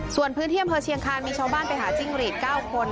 ส่วนพื้นที่อำเภอเชียงคานมีชาวบ้านไปหาจิ้งหรีด๙คน